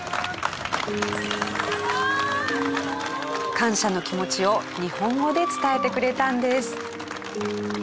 感謝の気持ちを日本語で伝えてくれたんです。